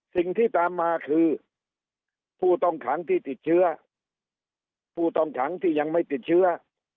สิ่งที่ตามมาคือผู้ต้องขังที่ติดเชื้อผู้ต้องขังที่ยังไม่ติดเชื้อ